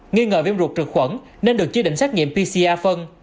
nghi ngờ viêm ruột trượt khuẩn nên được chế định xác nhiệm pcr phân